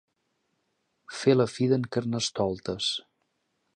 Fer la fi d'en Carnestoltes.